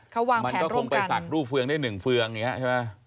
เขาวางแผนร่วมกันมันก็คงไปศักดิ์รูปเฟืองได้หนึ่งเฟืองอย่างนี้ใช่ไหม